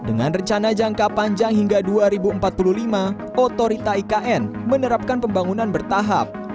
dengan rencana jangka panjang hingga dua ribu empat puluh lima otorita ikn menerapkan pembangunan bertahap